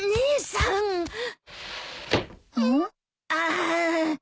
ああ。